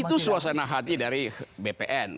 itu suasana hati dari bpn